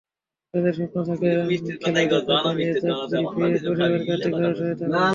তাঁদের স্বপ্ন থাকে, খেলায় দক্ষতা দিয়ে চাকরি পেয়ে পরিবারকে আর্থিকভাবে সহায়তা করা।